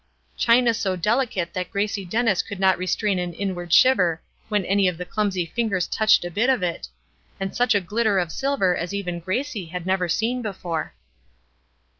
china so delicate that Gracie Dennis could not restrain an inward shiver when any of the clumsy fingers touched a bit of it, and such a glitter of silver as even Gracie had never seen before.